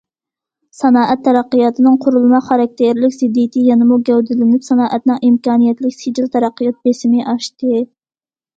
سانائەت تەرەققىياتىنىڭ قۇرۇلما خاراكتېرلىك زىددىيىتى يەنىمۇ گەۋدىلىنىپ، سانائەتنىڭ ئىمكانىيەتلىك سىجىل تەرەققىيات بېسىمى ئاشتى.